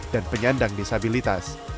dan penyandang disabilitas